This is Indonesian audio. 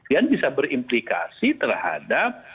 yang bisa berimplikasi terhadap